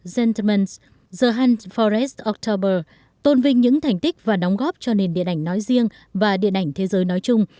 sentiments the hunt for rest october tôn vinh những thành tích và đóng góp cho nền điện ảnh nói riêng và điện ảnh thế giới nói chung